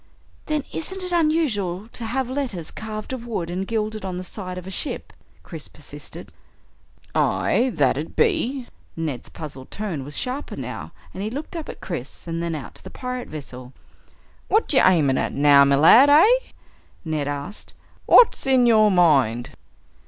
"Then isn't it unusual to have letters carved of wood and gilded, on the side of a ship?" Chris persisted. "Aye, that it be." Ned's puzzled tone was sharper now and he looked up at Chris and then out to the pirate vessel. "What're ye aimin' at now, me lad, eh?" Ned asked. "What's in your mind?"